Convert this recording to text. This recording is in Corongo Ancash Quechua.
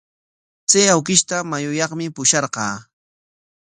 Chay awkishta mayuyaqmi pusharqaa.